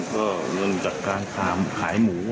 ก็สล๊อกกันบ่อย